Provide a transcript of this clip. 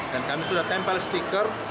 dan kami sudah tempel stiker